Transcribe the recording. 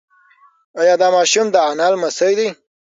ایا دا ماشوم د انا لمسی دی؟